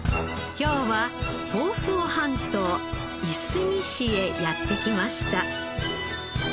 今日は房総半島いすみ市へやって来ました。